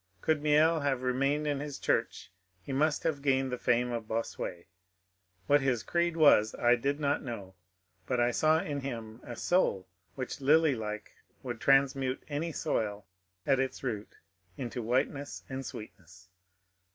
Could Miel have remained in his church he must have gained the fame of Bossuet ; what his creed was I did not know, but I saw in him a soul which lily like would transmute any soil at its root into whiteness and sweetness.